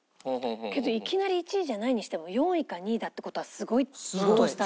けどいきなり１位じゃないにしても４位か２位だっていう事はすごいヒットしたって事だ。